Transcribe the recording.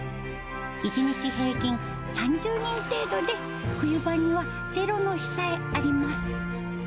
１日平均３０人程度で、冬場にはゼロの日さえあります。